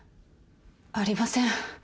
ありません。